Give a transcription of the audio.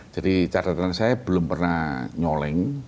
jadi catatan saya belum pernah nyoleng